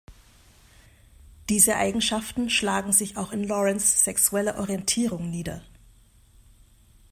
Diese Eigenschaften schlagen sich auch in Laurence sexueller Orientierung nieder.